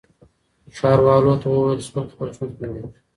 ښاروالو ته وویل شول خپل ژوند خوندي کړي.